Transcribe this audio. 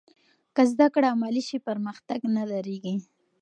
که زده کړه عملي شي، پرمختګ نه درېږي.